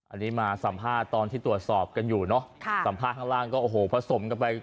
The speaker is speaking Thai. อันนี้มาสัมภาษณ์ตอนที่ตรวจสอบกันอยู่เนอะค่ะสัมภาษณ์ข้างล่างก็โอ้โหผสมกันไป